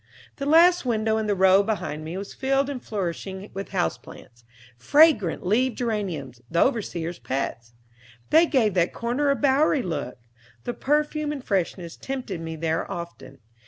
The last window in the row behind me was filled with flourishing house plants fragrant leaved geraniums, the overseer's pets. They gave that corner a bowery look; the perfume and freshness tempted me there often.